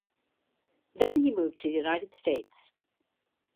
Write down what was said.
Then he moved to the United States.